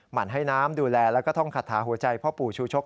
มันให้น้ำดูแลแล้วก็ท่องคาถาหัวใจพ่อปู่ชูชก